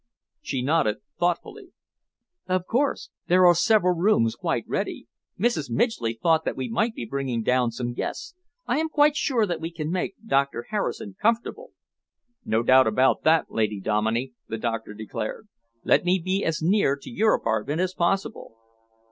She nodded thoughtfully. "Of course! There are several rooms quite ready. Mrs. Midgeley thought that we might be bringing down some guests. I am quite sure that we can make Doctor Harrison comfortable." "No doubt about that, Lady Dominey," the doctor declared. "Let me be as near to your apartment as possible."